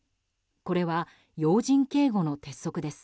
これは要人警護の鉄則です。